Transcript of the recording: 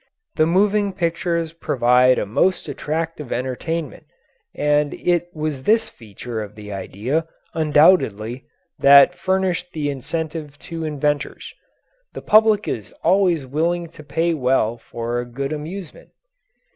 The moving pictures provide a most attractive entertainment, and it was this feature of the idea, undoubtedly, that furnished the incentive to inventors. The public is always willing to pay well for a good amusement.